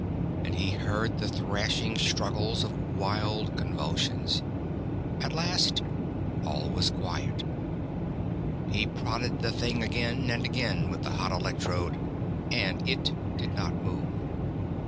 And he heard the thrashing struggles of wild convulsions. At last all was quiet. He prodded the thing again and again with the hot electrode, and it did not move.